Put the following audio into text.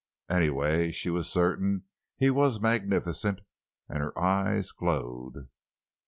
Anyway, she was certain he was magnificent, and her eyes glowed.